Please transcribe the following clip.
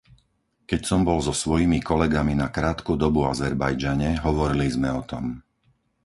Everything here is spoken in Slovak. Keď som bol so svojimi kolegami na krátku dobu Azerbajdžane, hovorili sme o tom.